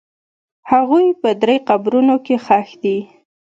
هغوی په درې قبرونو کې ښخ دي.